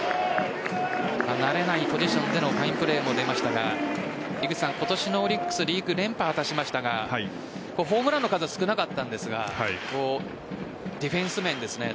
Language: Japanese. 慣れないポジションでのファインプレーも出ましたが今年のオリックスリーグ連覇を果たしましたがホームランの数少なかったんですがディフェンス面ですね。